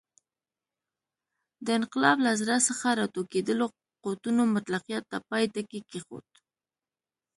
د انقلاب له زړه څخه راټوکېدلو قوتونو مطلقیت ته پای ټکی کېښود.